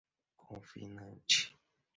confinante